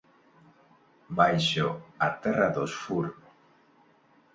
Baixo "a terra dos fur"